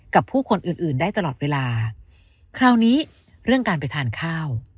กับผู้คนอื่นอื่นได้ตลอดเวลาคราวนี้เรื่องการไปทานข้าว